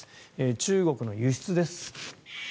中国の輸出です。